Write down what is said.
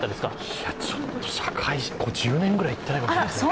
いや、ちょっと社会人１０年ぐらい行ってないかもしれない。